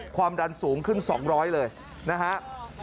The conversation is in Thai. ความดันสูงขึ้น๒๐๐เลยนะครับ